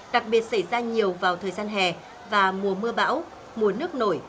đặc biệt xảy ra nhiều vào thời gian hè và mùa mưa bão mùa nước nổi